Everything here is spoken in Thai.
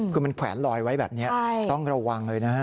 คือมันแขวนลอยไว้แบบนี้ต้องระวังเลยนะฮะ